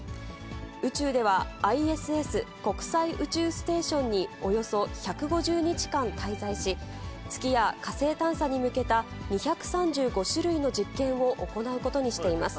宇宙では、ＩＳＳ・国際宇宙ステーションにおよそ１５０日間滞在し、月や火星探査に向けた２３５種類の実験を行うことにしています。